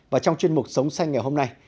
và trong chuyên mục sống xanh ngày hôm nay